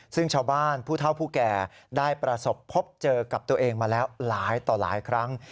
ซึ่งชาวบ้านผู้เท่าผู้แก่ได้ประสบพบเจอกับตัวเองมาแล้วหลายต่อหลายครั้ง